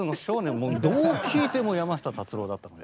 もうどう聴いても山下達郎だったので。